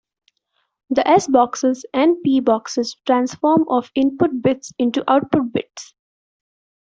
The S-boxes and P-boxes transform of input bits into output bits.